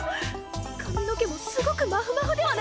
髪の毛もすごくまふまふではないか！